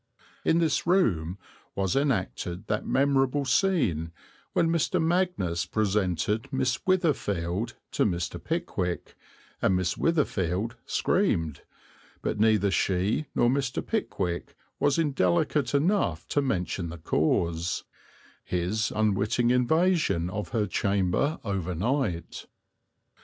In this room was enacted that memorable scene when Mr. Magnus presented Miss Witherfield to Mr. Pickwick and Miss Witherfield screamed, but neither she nor Mr. Pickwick was indelicate enough to mention the cause his unwitting invasion of her chamber overnight.